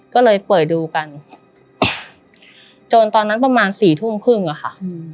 ก็เลยเปิดดูกันจนตอนนั้นประมาณสี่ทุ่มครึ่งอะค่ะ